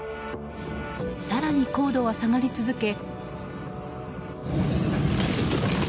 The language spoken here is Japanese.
更に、高度は下がり続け。